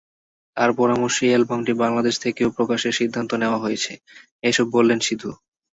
তাঁর পরামর্শেই অ্যালবামটি বাংলাদেশ থেকেও প্রকাশের সিদ্ধান্ত নেওয়া হয়েছে, এসব বললেন সিধু।